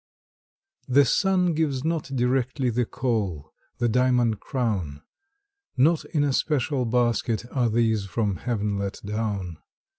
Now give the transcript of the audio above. The sun gives not directly The coal, the diamond crown; Not in a special basket Are these from Heaven let down.